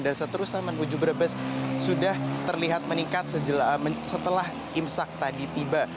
dan seterusnya menuju brebes sudah terlihat meningkat setelah imsak tadi tiba